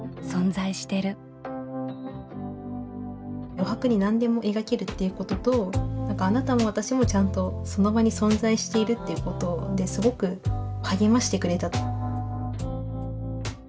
余白に何でも描けるっていうこととあなたも私もちゃんとその場に存在しているっていうことですごく励ましてくれた。